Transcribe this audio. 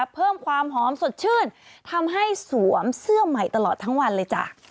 เพิ่มความหอมสดชื่นทำให้สวมเสื้อใหม่ตลอดทั้งวันเลยจ้ะ